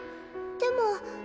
でも。